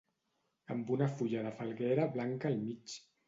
amb una fulla de falguera blanca al mig